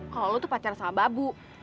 kalau lu tuh pacar sama babu